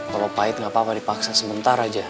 kalau pahit gak apa apa dipaksa sementara aja